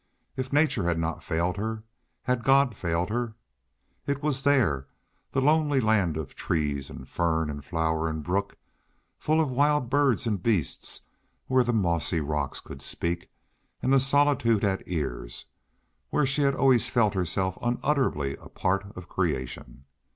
If nature had not failed her, had God failed her? It was there the lonely land of tree and fern and flower and brook, full of wild birds and beasts, where the mossy rocks could speak and the solitude had ears, where she had always felt herself unutterably a part of creation.